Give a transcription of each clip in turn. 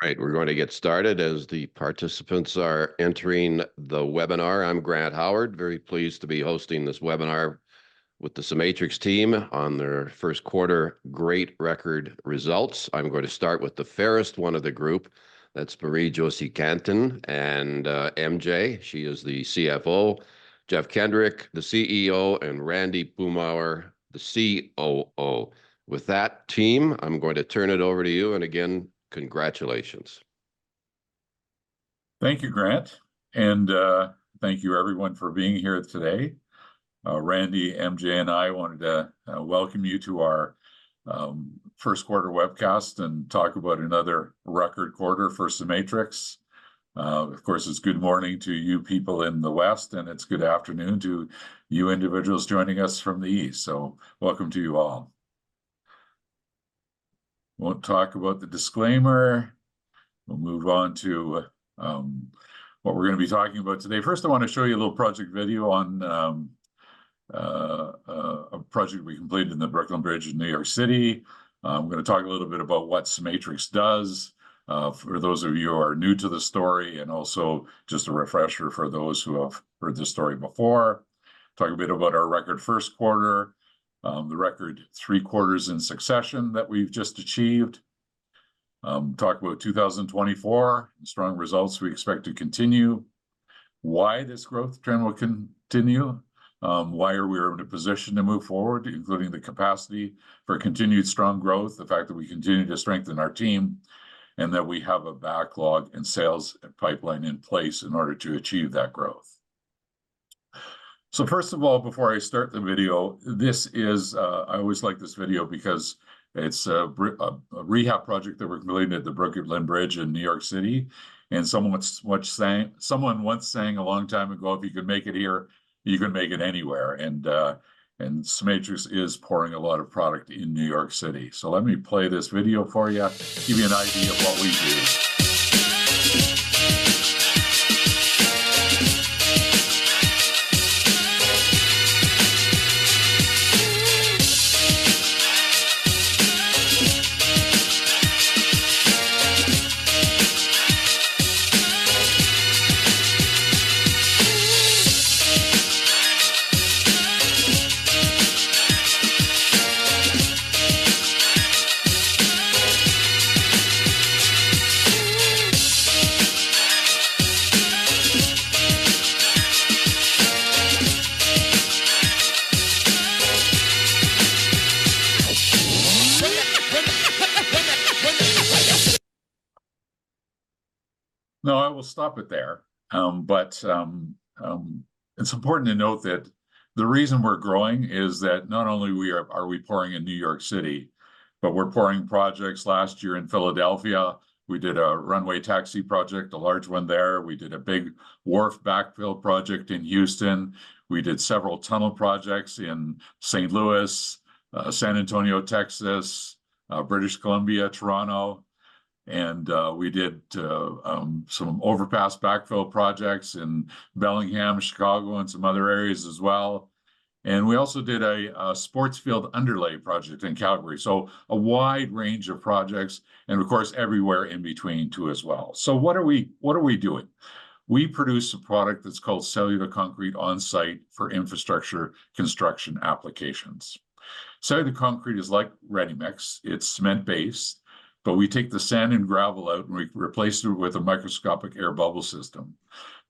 Right, we're going to get started. As the participants are entering the webinar, I'm Grant Howard, very pleased to be hosting this webinar with the CEMATRIX team on their Q1 great record results. I'm going to start with the fairest one of the group. That's Marie-Josée Cantin and MJ She is the CFO. Jeff Kendrick, the CEO, and Randy Boomhour, the COO. With that team, I'm going to turn it over to you, and again, congratulations. Thank you, Grant. And thank you, everyone, for being here today. Randy, MJ, and I wanted to welcome you to our Q1 webcast and talk about another record quarter for CEMATRIX. Of course, it's good morning to you people in the West, and it's good afternoon to you individuals joining us from the East. So welcome to you all. We won't talk about the disclaimer. We'll move on to what we're going to be talking about today. First, I want to show you a little project video on a project we completed in the Brooklyn Bridge in New York City. I'm going to talk a little bit about what CEMATRIX does, for those of you who are new to the story, and also just a refresher for those who have heard this story before. Talk a bit about our record Q1. The record three quarters in succession that we've just achieved. Talk about 2024 and strong results we expect to continue. Why this growth trend will continue. Why are we able to position to move forward, including the capacity for continued strong growth, the fact that we continue to strengthen our team. And that we have a backlog and sales pipeline in place in order to achieve that growth. So first of all, before I start the video, this is, I always like this video because it's a rehab project that we're completing at the Brooklyn Bridge in New York City. And someone once saying, someone once saying a long time ago, if you can make it here, you can make it anywhere. And, and CEMATRIX is pouring a lot of product in New York City. So let me play this video for you, give you an idea of what we do. No, I will stop it there. But it's important to note that the reason we're growing is that not only are we pouring in New York City. But we're pouring projects. Last year in Philadelphia, we did a runway taxi project, a large one there. We did a big wharf backfill project in Houston. We did several tunnel projects in St. Louis, San Antonio, Texas. British Columbia, Toronto. And we did some overpass backfill projects in Bellingham, Chicago, and some other areas as well. And we also did a sports field underlay project in Calgary, so a wide range of projects, and of course, everywhere in between too, as well. So what are we? What are we doing? We produce a product that's called cellular concrete on site for infrastructure construction applications. Cellular concrete is like ready mix. It's cement based. But we take the sand and gravel out, and we replace it with a microscopic air bubble system.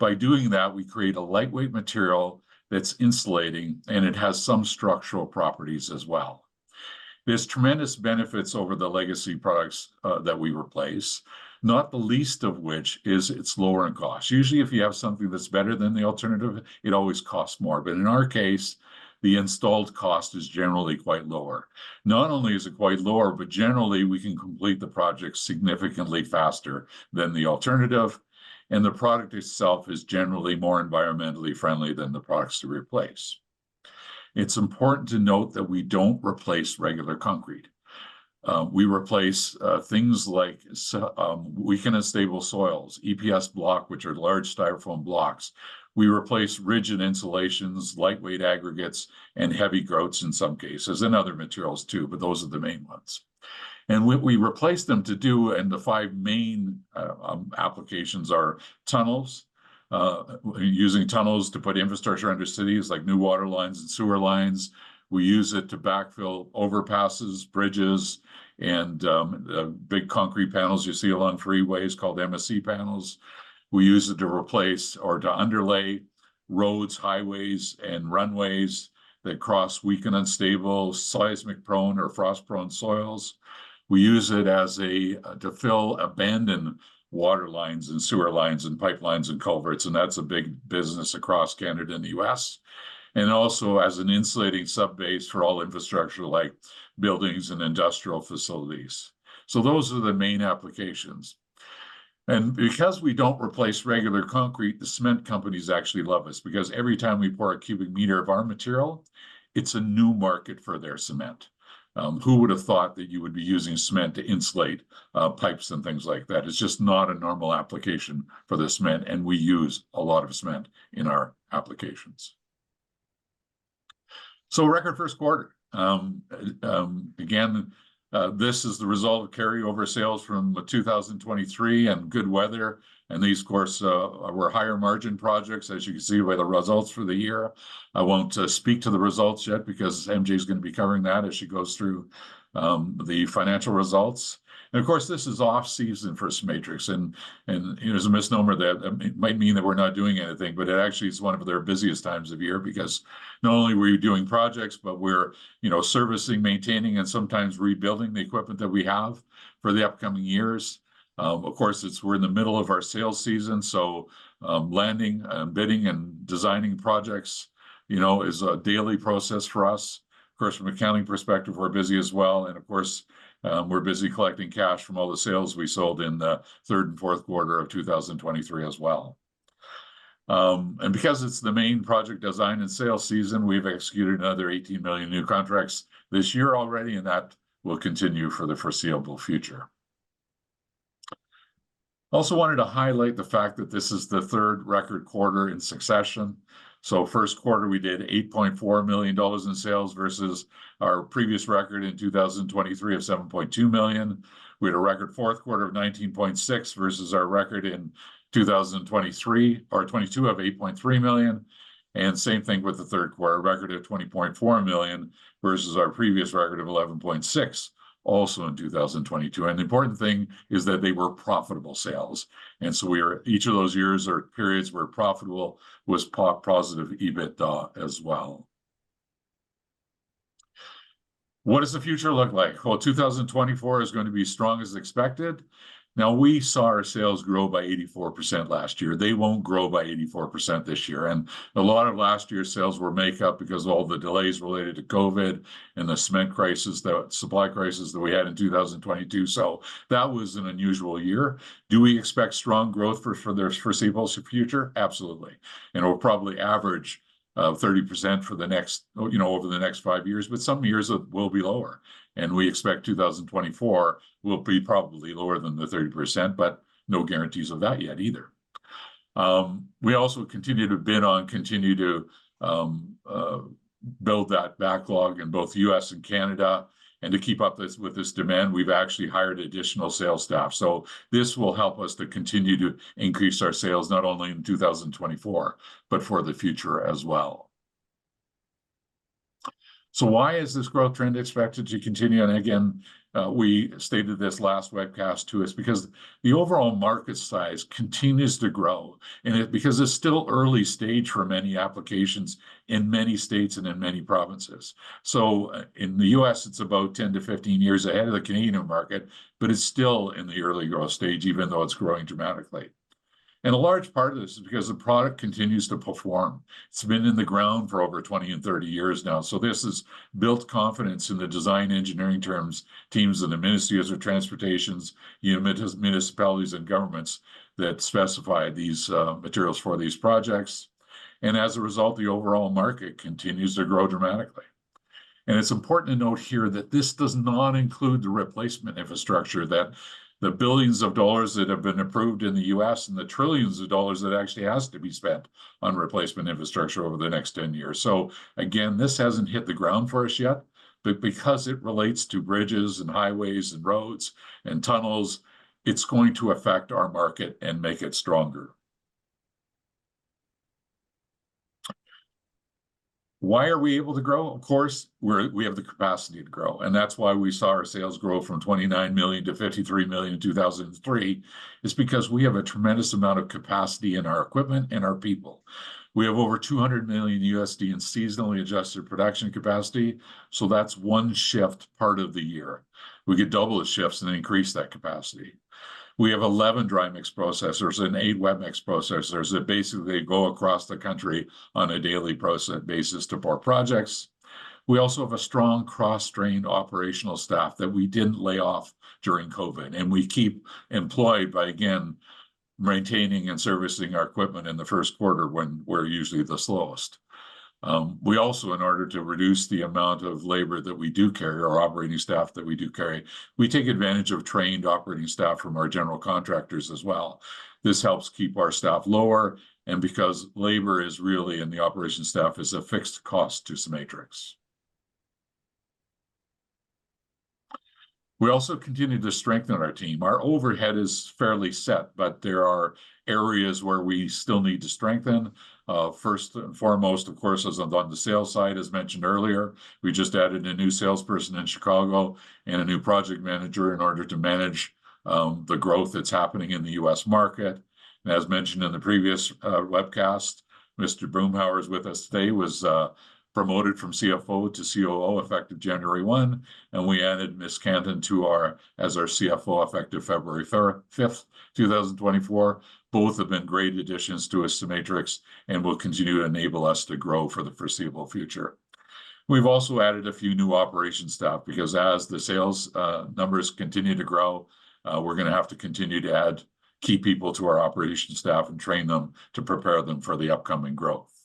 By doing that, we create a lightweight material that's insulating, and it has some structural properties as well. This tremendous benefits over the legacy products, that we replace. Not the least of which is its lowering cost. Usually, if you have something that's better than the alternative, it always costs more. But in our case, the installed cost is generally quite lower. Not only is it quite lower, but generally we can complete the project significantly faster than the alternative. And the product itself is generally more environmentally friendly than the products to replace. It's important to note that we don't replace regular concrete. We replace things like unstable soils, EPS blocks, which are large Styrofoam blocks. We replace rigid insulations, lightweight aggregates, and heavy grouts in some cases, and other materials, too, but those are the main ones. What we replace them to do, and the five main applications are tunnels: using tunnels to put infrastructure under cities like new water lines and sewer lines. We use it to backfill overpasses, bridges, and the big concrete panels you see along freeways called MSE panels. We use it to replace or to underlay roads, highways, and runways that cross weak and unstable, seismic-prone or frost-prone soils. We use it as a to fill abandoned water lines and sewer lines and pipelines and culverts, and that's a big business across Canada and the US Also as an insulating subbase for all infrastructure like buildings and industrial facilities. Those are the main applications. And because we don't replace regular concrete, the cement companies actually love us, because every time we pour a cubic meter of our material, it's a new market for their cement. Who would have thought that you would be using cement to insulate pipes and things like that? It's just not a normal application for the cement, and we use a lot of cement in our applications. So record Q1 again. This is the result of carryover sales from 2023 and good weather. And these, of course, were higher margin projects, as you can see by the results for the year. I won't speak to the results yet, because MJ is going to be covering that as she goes through the financial results. Of course, this is off-season for CEMATRIX, and you know, there's a misnomer that it might mean that we're not doing anything, but it actually is one of their busiest times of year, because not only were you doing projects, but we're, you know, servicing, maintaining, and sometimes rebuilding the equipment that we have for the upcoming years. Of course, it's we're in the middle of our sales season. So, landing and bidding and designing projects you know is a daily process for us. Of course, from an accounting perspective, we're busy as well. Of course, we're busy collecting cash from all the sales we sold in the Q3 and Q4 of 2023 as well, and because it's the main project design and sales season, we've executed another 18 million new contracts this year already, and that will continue for the foreseeable future. Also wanted to highlight the fact that this is the third record quarter in succession. So Q1, we did 8.4 million dollars in sales versus our previous record in 2023 of 7.2 million. We had a record Q4 of 19.6 million versus our record in 2023 or 22 of 8.3 million. And same thing with the Q3, record of 20.4 million versus our previous record of 11.6 million also in 2022. And the important thing is that they were profitable sales. And so we are each of those years or periods where profitable was positive EBITDA as well. What does the future look like? Well, 2024 is going to be strong as expected. Now we saw our sales grow by 84% last year. They won't grow by 84% this year, and a lot of last year's sales were make up because of all the delays related to COVID and the cement crisis, the supply crisis that we had in 2022. So that was an unusual year. Do we expect strong growth for their foreseeable future? Absolutely. And we'll probably average 30% for the next, you know, over the next five years, but some years will be lower. And we expect 2024 will be probably lower than the 30%, but no guarantees of that yet, either. We also continue to bid on, continue to build that backlog in both the US and Canada, and to keep up with this demand. We've actually hired additional sales staff. So this will help us to continue to increase our sales, not only in 2024, but for the future as well. So why is this growth trend expected to continue? And again, we stated this last webcast too because the overall market size continues to grow, and it's because it's still early stage for many applications in many states and in many provinces. So in the US, it's about 10-15 years ahead of the Canadian market, but it's still in the early growth stage, even though it's growing dramatically. And a large part of this is because the product continues to perform. It's been in the ground for over 20 and 30 years now. So this has built confidence in the design engineering teams in the ministries of transportation, municipalities and governments that specify these materials for these projects. And as a result, the overall market continues to grow dramatically. It's important to note here that this does not include the replacement infrastructure, that. the billions of dollars that have been approved in the US and the trillions of dollars that actually has to be spent on replacement infrastructure over the next 10 years. So again, this hasn't hit the ground for us yet. But because it relates to bridges and highways and roads and tunnels. It's going to affect our market and make it stronger. Why are we able to grow? Of course, we're we have the capacity to grow, and that's why we saw our sales grow from 29 million to 53 million in 2023. It's because we have a tremendous amount of capacity in our equipment and our people. We have over $200 million in seasonally adjusted production capacity. So that's one shift part of the year. We could double the shifts and increase that capacity. We have 11 dry mix processors and 8 wet mix processors that basically go across the country on a daily process basis to pour projects. We also have a strong cross-trained operational staff that we didn't lay off during COVID, and we keep employed by, again, maintaining and servicing our equipment in the Q1 when we're usually the slowest. We also, in order to reduce the amount of labor that we do carry, our operating staff that we do carry. We take advantage of trained operating staff from our general contractors as well. This helps keep our staff lower, and because labor is really, and the operation staff is a fixed cost to CEMATRIX. We also continue to strengthen our team. Our overhead is fairly set, but there are areas where we still need to strengthen. First and foremost, of course, as on the sales side, as mentioned earlier, we just added a new salesperson in Chicago and a new project manager in order to manage the growth that's happening in the US market. As mentioned in the previous webcast, Mr. Boomhour is with us today. He was promoted from CFO to COO effective January 1, and we added Ms. Cantin as our CFO effective February 3, 2024. Both have been great additions to CEMATRIX, and will continue to enable us to grow for the foreseeable future. We've also added a few new operations staff, because as the sales numbers continue to grow, we're gonna have to continue to add people to our operations staff and train them to prepare them for the upcoming growth.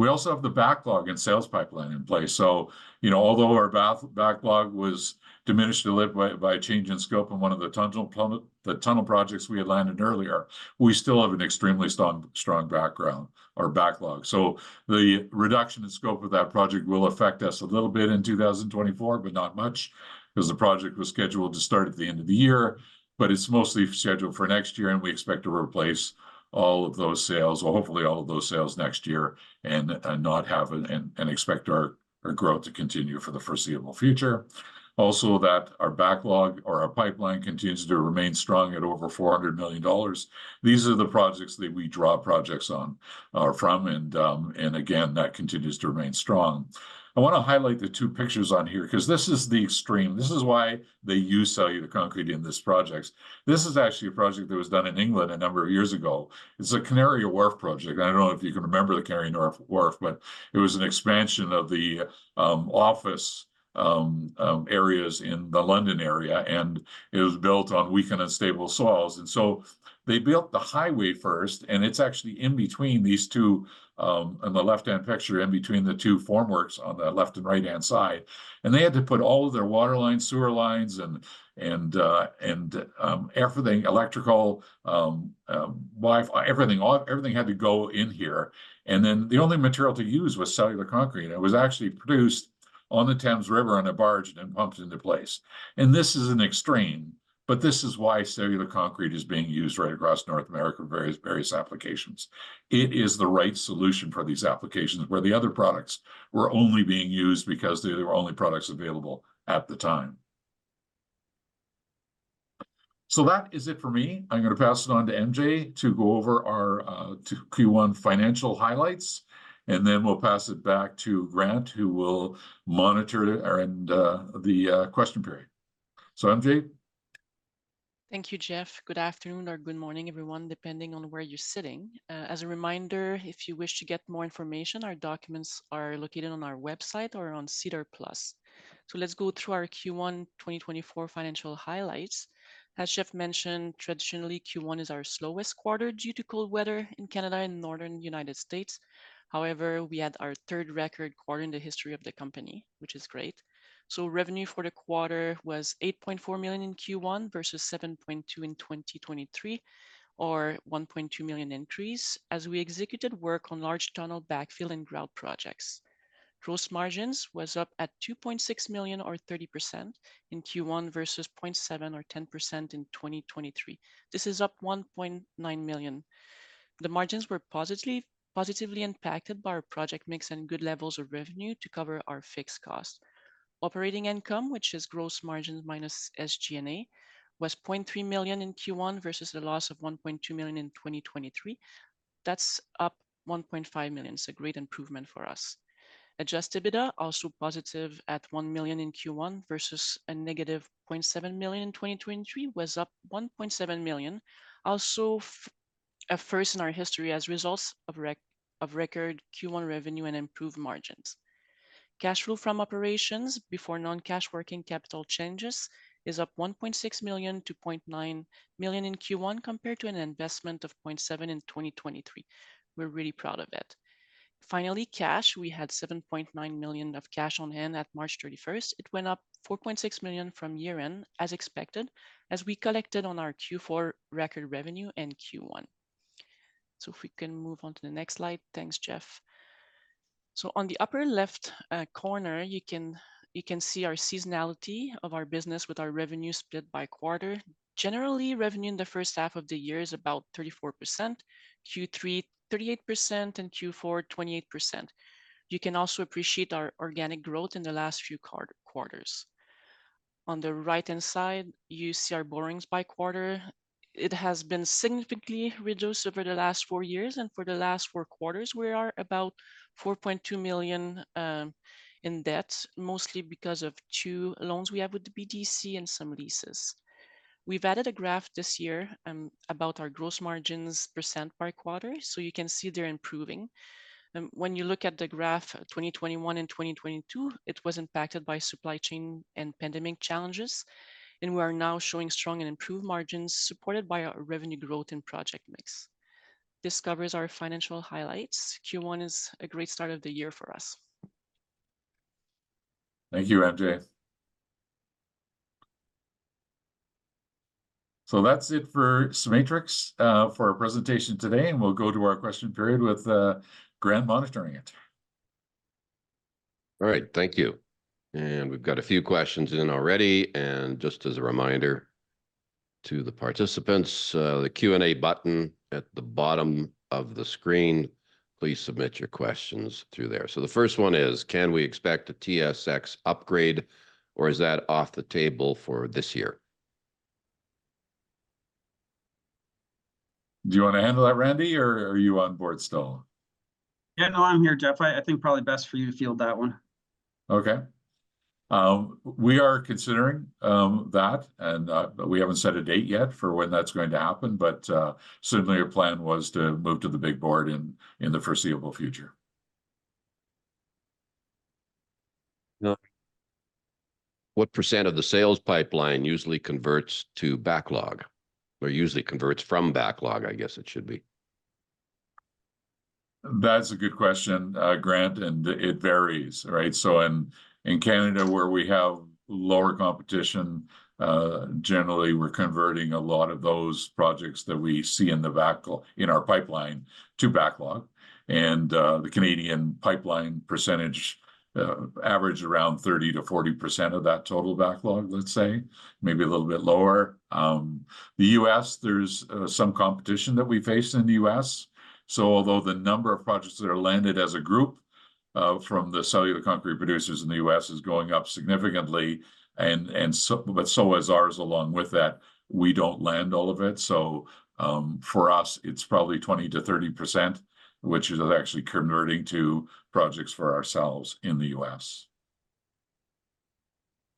We also have the backlog and sales pipeline in place. So, you know, although our backlog was diminished a little bit by a change in scope and one of the tunnel projects we had landed earlier. We still have an extremely strong backlog. So the reduction in scope of that project will affect us a little bit in 2024, but not much. Because the project was scheduled to start at the end of the year. But it's mostly scheduled for next year, and we expect to replace all of those sales, well, hopefully, all of those sales next year, and expect our growth to continue for the foreseeable future. Also, our backlog or our pipeline continues to remain strong at over $400 million. These are the projects that we bid on, and again, that continues to remain strong. I want to highlight the two pictures on here, because this is the extreme. This is why they use cellular concrete in this project. This is actually a project that was done in England a number of years ago. It's a Canary Wharf project. I don't know if you can remember the Canary Wharf, but it was an expansion of the office areas in the London area, and it was built on weak and unstable soils. And so they built the highway first, and it's actually in between these two on the left-hand picture, in between the 2 formworks on the left and right-hand side. And they had to put all of their waterlines, sewer lines, and everything electrical, WiFi, everything; all everything had to go in here. And then the only material to use was cellular concrete, and it was actually produced. On the Thames River on a barge and then pumped into place. This is an extreme. But this is why cellular concrete is being used right across North America for various applications. It is the right solution for these applications where the other products were only being used because they were only products available at the time. So that is it for me. I'm going to pass it on to MJ to go over our Q1 financial highlights. Then we'll pass it back to Grant, who will monitor it, and the question period. So, MJ. Thank you, Jeff. Good afternoon, or good morning, everyone, depending on where you're sitting. As a reminder, if you wish to get more information, our documents are located on our website or on SEDAR+. So let's go through our Q1 2024 financial highlights. As Jeff mentioned, traditionally, Q1. Q1 is our slowest quarter due to cold weather in Canada and Northern United States. However, we had our third record quarter in the history of the company, which is great. So revenue for the quarter was 8.4 million in Q1 versus 7.2 million in 2023, a 1.2 million increase as we executed work on large tunnel backfill and grout projects. Gross margins were up at 2.6 million, or 30% in Q1 versus 0.7 million or 10% in 2023. This is up 1.9 million. The margins were positively impacted by our project mix and good levels of revenue to cover our fixed cost. Operating income, which is gross margins minus SG&A, was 0.3 million in Q1 versus a loss of 1.2 million in 2023. That's up 1.5 million. It's a great improvement for us. Adjusted EBITDA, also positive at 1 million in Q1. Versus a negative cad 0.7 million in 2023 was up 1.7 million. Also, a first in our history as results of record Q1 revenue and improved margins. Cash flow from operations before non-cash working capital changes is up 1.6 million to 0.9 million in Q1 compared to an investment of 0.7 million in 2023. We're really proud of it. Finally, cash, we had 7.9 million of cash on hand at 31 March. It went up 4.6 million from year end, as expected, as we collected on our Q4 record revenue and Q1. So if we can move on to the next slide. Thanks, Jeff. So on the upper left corner, you can see our seasonality of our business with our revenue split by quarter. Generally, revenue in the first half of the year is about 34%. Q3, 38%, and Q4, 28%. You can also appreciate our organic growth in the last few quarters. On the right-hand side, you see our borrowings by quarter. It has been significantly reduced over the last 4 years, and for the last 4 quarters we are about 4.2 million in debt, mostly because of two loans we have with the BDC and some leases. We've added a graph this year, about our gross margins % by quarter, so you can see they're improving. And when you look at the graph 2021 and 2022, it was impacted by supply chain and pandemic challenges. And we are now showing strong and improved margins supported by our revenue growth and project mix. This covers our financial highlights. Q1 is a great start of the year for us. Thank you, MJ.So that's it for CEMATRIX for our presentation today, and we'll go to our question period with Grant monitoring it. Alright, thank you. We've got a few questions in already. Just as a reminder to the participants, the Q and A button at the bottom of the screen. Please submit your questions through there. So the first one is, can we expect a TSX upgrade? Or is that off the table for this year? Do you want to handle that, Randy, or are you on board still? Yeah, no, I'm here, Jeff. I think probably best for you to field that one. Okay. We are considering that, and we haven't set a date yet for when that's going to happen. But certainly our plan was to move to the big board in the foreseeable future. What percentage of the sales pipeline usually converts to backlog? Usually converts from backlog, I guess it should be. That's a good question, Grant, and it varies, right? So in Canada, where we have lower competition. Generally, we're converting a lot of those projects that we see in our pipeline to backlog. And the Canadian pipeline percentage average around 30% to 40% of that total backlog, let's say, maybe a little bit lower. In the US, there's some competition that we face in the US So although the number of projects that are landed as a group from the cellular concrete producers in the US is going up significantly, and so is ours. Along with that. We don't land all of it. So, for us, it's probably 20% to 30%. Which is actually converting to projects for ourselves in the US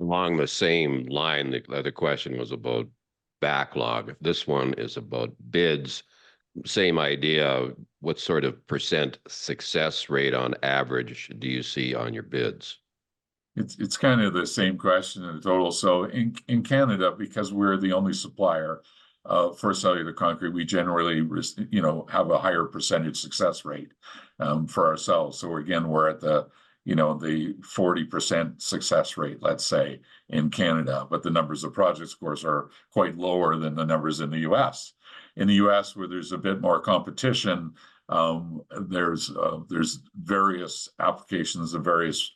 Along the same line, the other question was about backlog. If this one is about bids. Same idea. What sort of percentage success rate on average do you see on your bids? It's kind of the same question in total. So in Canada, because we're the only supplier for cellular concrete, we generally, you know, have a higher percentage success rate for ourselves. So again, we're at the, you know, the 40% success rate, let's say, in Canada. But the numbers of projects, of course, are quite lower than the numbers in the US In the US, where there's a bit more competition, there's various applications of various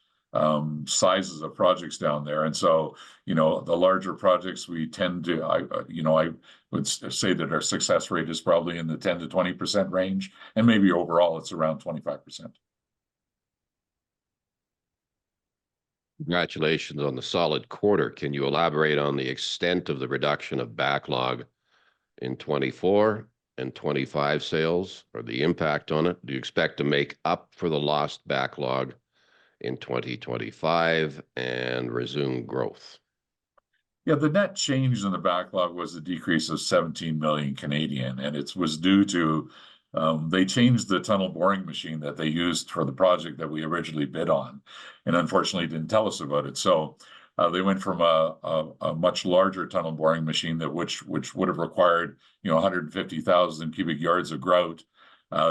sizes of projects down there. And so, you know, the larger projects we tend to, I, you know, I would say that our success rate is probably in the 10% to 20% range, and maybe overall it's around 25%. Congratulations on the solid quarter. Can you elaborate on the extent of the reduction of backlog? In 2024 and 2025 sales, or the impact on it. Do you expect to make up for the lost backlog? In 2025 and resume growth. Yeah, the net change in the backlog was a decrease of 17 million, and it was due to they changed the tunnel boring machine that they used for the project that we originally bid on. And unfortunately didn't tell us about it. So, they went from a much larger tunnel boring machine which would have required, you know, 150,000 cubic yards of grout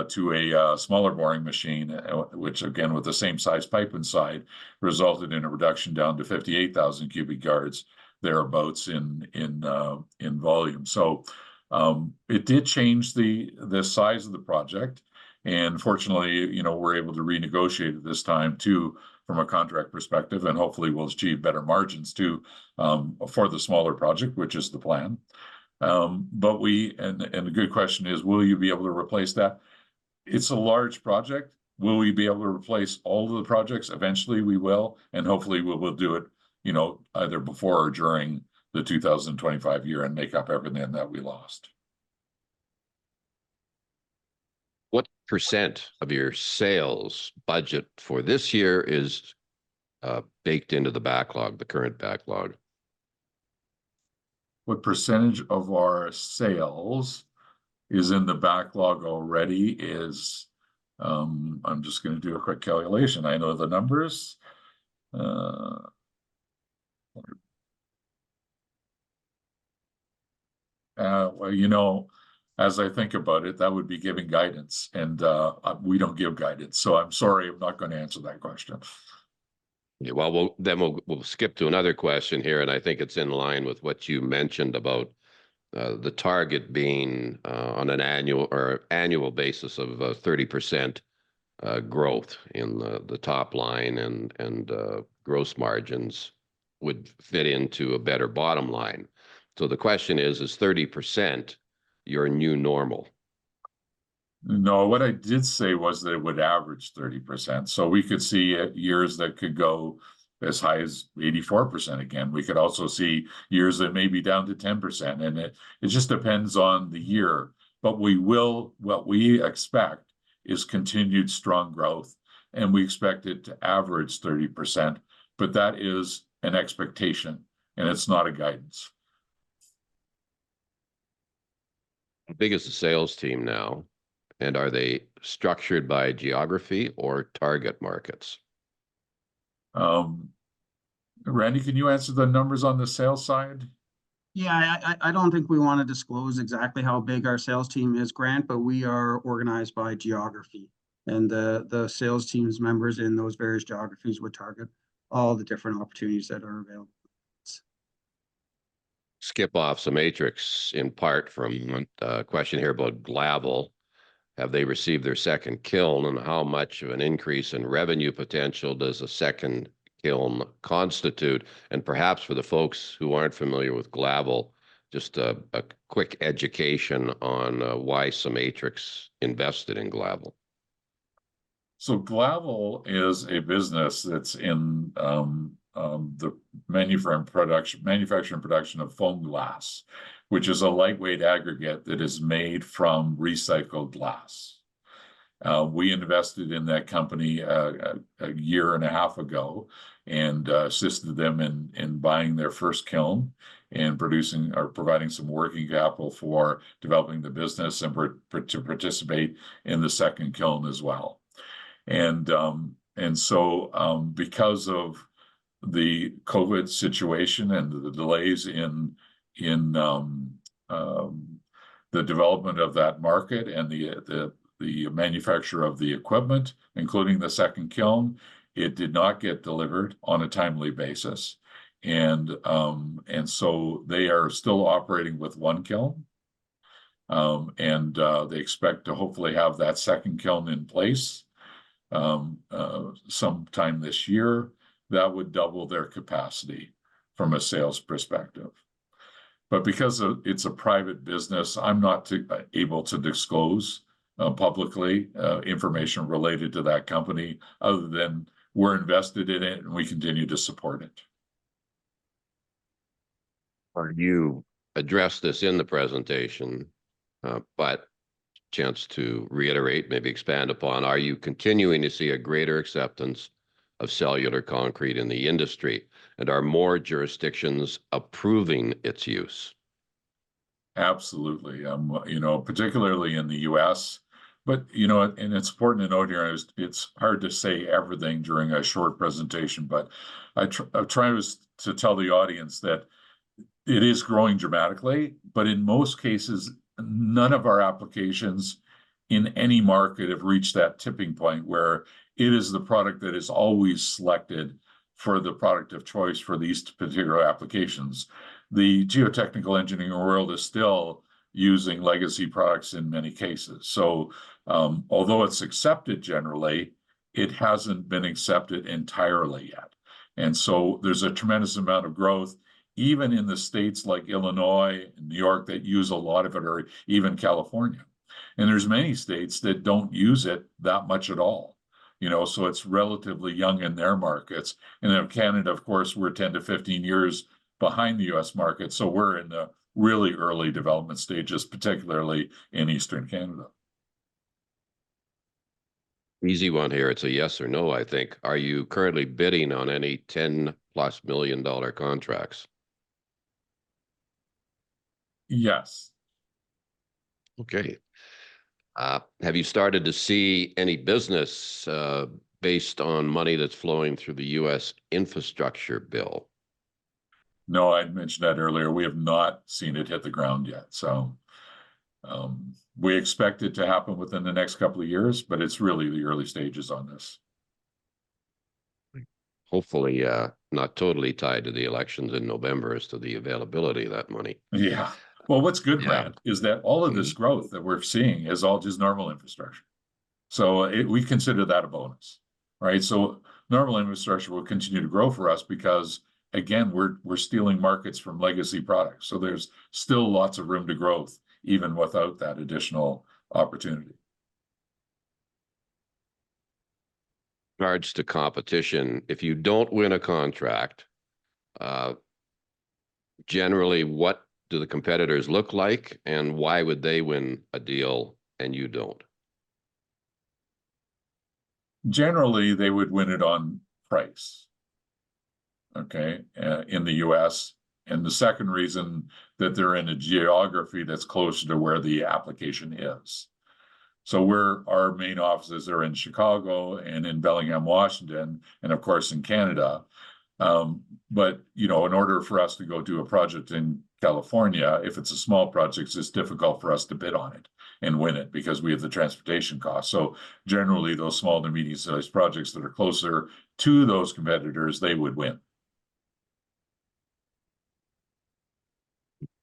to a smaller boring machine, which again, with the same size pipe inside. Resulted in a reduction down to 58,000 cubic yards. Thereabouts in volume. So, it did change the size of the project. And fortunately, you know, we're able to renegotiate at this time, too, from a contract perspective, and hopefully we'll achieve better margins, too, for the smaller project, which is the plan. But the good question is, will you be able to replace that? It's a large project. Will we be able to replace all of the projects? Eventually we will, and hopefully we will do it. You know, either before or during 2025 and make up everything that we lost. What percentage of your sales budget for this year is baked into the backlog, the current backlog? What percentage of our sales is in the backlog already? I'm just gonna do a quick calculation. I know the numbers. Well, you know. As I think about it, that would be giving guidance, and we don't give guidance. So I'm sorry. I'm not gonna answer that question. Yeah, well, we'll skip to another question here, and I think it's in line with what you mentioned about the target being on an annual basis of a 30% growth in the top line, and gross margins. Would fit into a better bottom line. So the question is, is 30% your new normal? No, what I did say was that it would average 30%, so we could see it years that could go as high as 84% again. We could also see years that may be down to 10%, and it just depends on the year. But we will. What we expect is continued strong growth. And we expect it to average 30%. But that is an expectation, and it's not a guidance. How big is the sales team now? And are they structured by geography or target markets? Randy, can you answer the numbers on the sales side? Yeah, I don't think we want to disclose exactly how big our sales team is, Grant, but we are organized by geography. And the sales team's members in those various geographies would target all the different opportunities that are available. Skip off CEMATRIX input from a question here about Glavel. Have they received their second kiln, and how much of an increase in revenue potential does a second kiln constitute? And perhaps for the folks who aren't familiar with Glavel. Just a quick education on why CEMATRIX invested in Glavel. So Glavel is a business that's in the manufacturing production of foam glass, which is a lightweight aggregate that is made from recycled glass. We invested in that company a year and a half ago and assisted them in buying their first kiln and producing or providing some working capital for developing the business and to participate in the second kiln as well. So because of the COVID situation and the delays in the development of that market and the manufacture of the equipment, including the second kiln, it did not get delivered on a timely basis. So they are still operating with one kiln, and they expect to hopefully have that second kiln in place sometime this year that would double their capacity from a sales perspective. But because it's a private business, I'm not able to disclose publicly information related to that company, other than we're invested in it, and we continue to support it. Are you addressing this in the presentation? But.Chance to reiterate, maybe expand upon. Are you continuing to see a greater acceptance of cellular concrete in the industry, and are more jurisdictions approving its use? Absolutely. I'm you know, particularly in the US But you know it, and it's important to note here. It's hard to say everything during a short presentation, but I try to tell the audience that it is growing dramatically, but in most cases none of our applications in any market have reached that tipping point where it is the product that is always selected for the product of choice for these particular applications. The geotechnical engineering world is still using legacy products in many cases. So although it's accepted generally, it hasn't been accepted entirely yet. And so there's a tremendous amount of growth even in the States like Illinois and New York that use a lot of it, or even California. And there's many states that don't use it that much at all. You know. So it's relatively young in their markets. And then of Canada, of course, we're 10-15 years behind the US market. So we're in the really early development stages, particularly in Eastern Canada. Easy one here. It's a yes or no, I think. Are you currently bidding on any $10+ million dollar contracts? Yes. Okay. Have you started to see any business based on money that's flowing through the US infrastructure bill? No, I'd mentioned that earlier. We have not seen it hit the ground yet. So. We expect it to happen within the next couple of years, but it's really the early stages on this. Hopefully not totally tied to the elections in November as to the availability of that money. Yeah. Well, what's good, Grant, is that all of this growth that we're seeing is all just normal infrastructure. So we consider that a bonus. Right? So normal infrastructure will continue to grow for us, because. Again, we're we're stealing markets from legacy products. So there's still lots of room to growth, even without that additional opportunity. Regarding competition. If you don't win a contract. Generally, what do the competitors look like, and why would they win a deal, and you don't?. Generally, they would win it on price. Okay, in the US And the second reason that they're in a geography that's closer to where the application is. So where our main offices are in Chicago and in Bellingham, Washington, and of course in Canada.But you know, in order for us to go do a project in California, if it's a small project, it's just difficult for us to bid on it and win it, because we have the transportation cost. So generally those small to medium-sized projects that are closer to those competitors, they would win.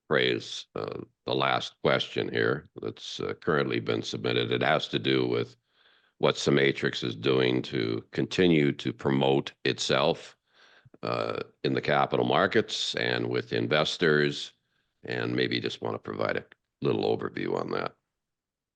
Phrase the last question here that's currently been submitted. It has to do with what CEMATRIX is doing to continue to promote itself in the capital markets and with investors. And maybe just want to provide a little overview on that.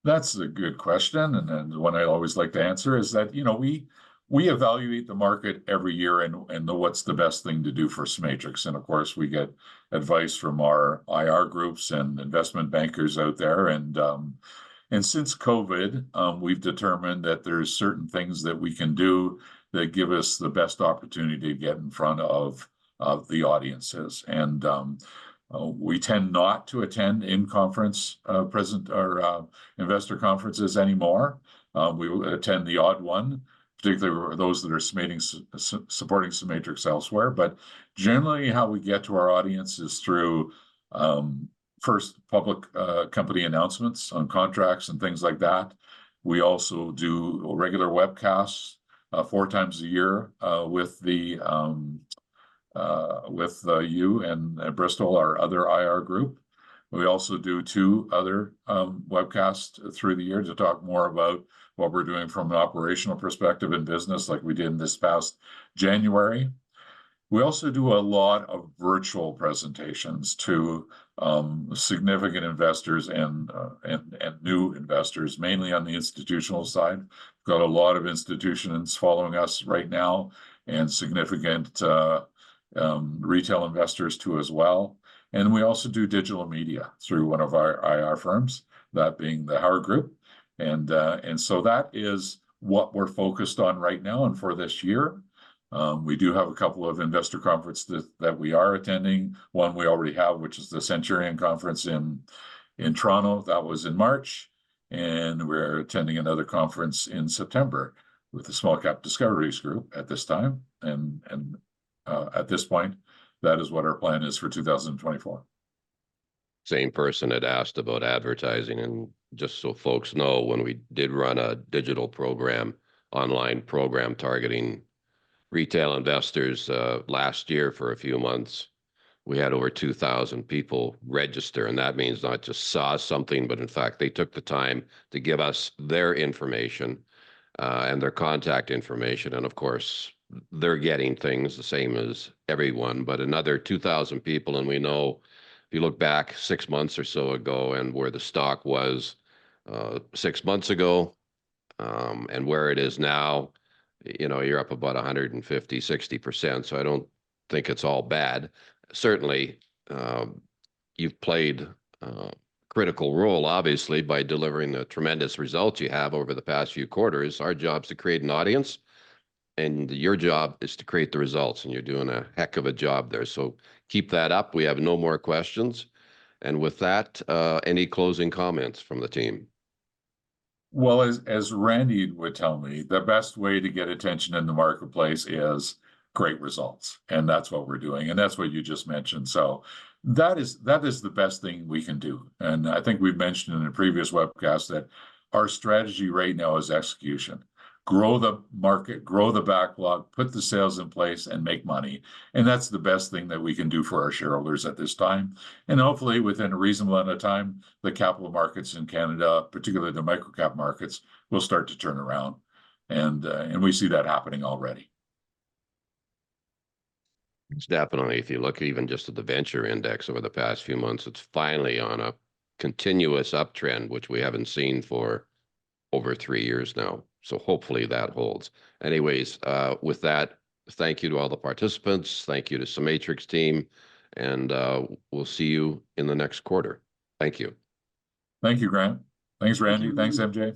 That's a good question. And then the one I always like to answer is that, you know, we evaluate the market every year, and and the what's the best thing to do for CEMATRIX. And of course we get advice from our IR groups and investment bankers out there. And since COVID we've determined that there's certain things that we can do that give us the best opportunity to get in front of the audiences, and we tend not to attend in-person conferences or investor conferences anymore. We attend the odd one, particularly those that are supporting CEMATRIX elsewhere. But generally how we get to our audience is through first public company announcements on contracts and things like that. We also do regular webcasts four times with you and Bristol, our other IR group. We also do two other webcasts through the year to talk more about what we're doing from an operational perspective in business like we did in this past January. We also do a lot of virtual presentations to significant investors and new investors, mainly on the institutional side. Got a lot of institutions following us right now, and significant retail investors too, as well. And we also do digital media through one of our IR firms, that being The Howard Group. And so that is what we're focused on right now. And for this year, we do have a couple of investor conferences that we are attending, one we already have, which is the Centurion Conference in Toronto that was in March. And we're attending another conference in September with Small Cap Discoveries group at this time, and. At this point, that is what our plan is for 2024. Same person had asked about advertising, and just so folks know when we did run a digital program. Online program targeting retail investors last year for a few months. We had over 2,000 people register, and that means not just saw something, but in fact, they took the time to give us their information and their contact information. And of course they're getting things the same as everyone, but another 2,000 people. And we know. If you look back 6 months or so ago, and where the stock was 6 months ago and where it is now, you know you're up about 150, 60%. So I don't think it's all bad. Certainly. You've played critical role, obviously, by delivering the tremendous results you have over the past few quarters. Our job is to create an audience. Your job is to create the results, and you're doing a heck of a job there. So keep that up. We have no more questions. And with that, any closing comments from the team. Well, as Randy would tell me, the best way to get attention in the marketplace is great results, and that's what we're doing, and that's what you just mentioned. So that is the best thing we can do. And I think we've mentioned in a previous webcast that our strategy right now is execution. Grow the market, grow the backlog, put the sales in place, and make money. And that's the best thing that we can do for our shareholders at this time, and hopefully within a reasonable amount of time. The capital markets in Canada, particularly the microcap markets, will start to turn around. And we see that happening already. It's definitely, if you look even just at the Venture Index over the past few months, it's finally on a continuous uptrend, which we haven't seen for over three years now. So hopefully that holds anyways. With that, thank you to all the participants. Thank you to the CEMATRIX team. And we'll see you in the next quarter. Thank you. Thank you, Grant. Thanks, Randy. Thanks, MJ.